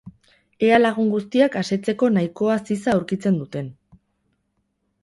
Ea lagun guztiak asetzeko nahikoa ziza aurkitzen duten.